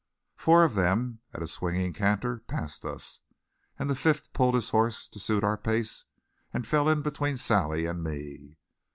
Four of them, at a swinging canter, passed us, and the fifth pulled his horse to suit our pace and fell in between Sally and me.